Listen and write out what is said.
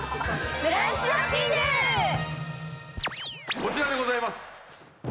こちらでございます！